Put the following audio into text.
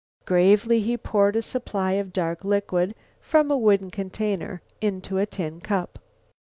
Gravely he poured a supply of dark liquid from a wooden container into a tin cup.